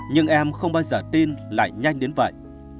nhưng em không bao giờ tin lại nhanh đến vậy